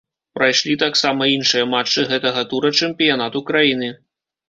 Прайшлі таксама іншыя матчы гэтага тура чэмпіянату краіны.